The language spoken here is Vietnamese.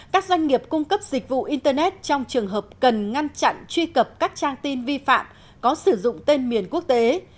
các doanh nghiệp cung cấp dịch vụ internet trong trường hợp cần ngăn chặn truy cập các trang tin vi phạm có sử dụng tên miền quốc tế